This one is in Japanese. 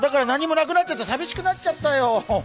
何もなくなっちゃったのよ、寂しくなっちゃったよ。